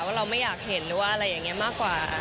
เราไม่อยากเห็นหรือว่าอะไรอย่างนี้มากกว่า